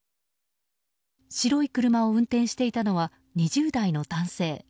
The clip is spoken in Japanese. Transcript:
白い車を運転していたのは２０代の男性。